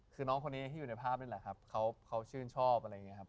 คือน้องคนนี้ที่อยู่ในภาพนี่แหละครับเขาชื่นชอบอะไรอย่างนี้ครับ